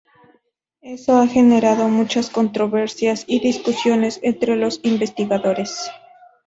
Eso ha generado muchas controversias y discusiones entre los investigadores.